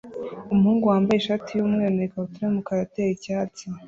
Umuhungu wambaye ishati yumweru na ikabutura yumukara atera icyatsi